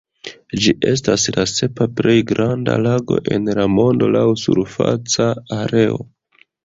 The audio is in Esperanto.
Ĝi estas la sepa plej granda lago en la mondo laŭ surfaca areo.